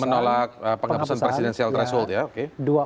menolak penghapusan presidensial threshold ya oke